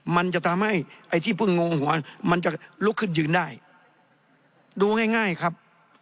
มันจะทำให้ไอ้ที่เพิ่งงงหัวมันจะลุกขึ้นยืนได้ดูง่ายง่ายครับ